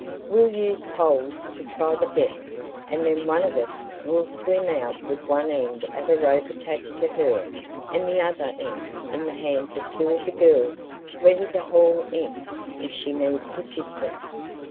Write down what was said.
"We'll use poles to try the depth and then one of us will swim out with one end of a rope attached to her and the other end in the hands of two of the girls ready to haul in if she needs assistance.